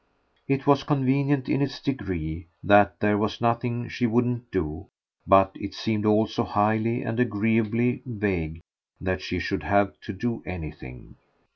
It was convenient, in its degree, that there was nothing she wouldn't do; but it seemed also highly and agreeably vague that she should have to do anything.